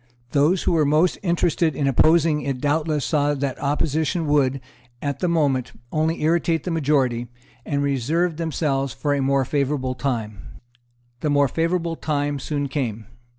Those who were most interested in opposing it doubtless saw that opposition would, at that moment, only irritate the majority, and reserved themselves for a more favourable time. The more favourable time soon came.